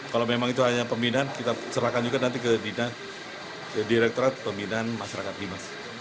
kalau memang itu hanya pembinaan kita serahkan juga nanti ke dinas direkturat pembinaan masyarakat dimas